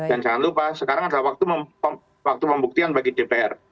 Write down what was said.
dan jangan lupa sekarang adalah waktu membuktikan bagi dpr